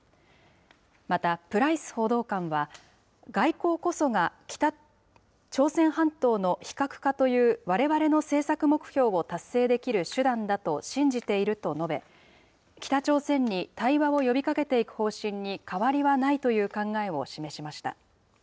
またプライス報道官は、外交こそが朝鮮半島の非核化という、われわれの政策目標を達成できる手段だと信じていると述べ、北朝鮮に対話を呼びかけていく方針に変わりはないという考えを示しました。